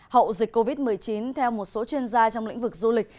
hậu dịch covid một mươi chín theo một số chuyên gia trong lĩnh vực du lịch